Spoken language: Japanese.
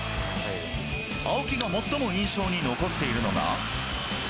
青木が最も印象に残っているのが。